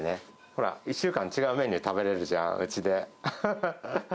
ほら、１週間違うメニュー食べれるじゃん、うちで。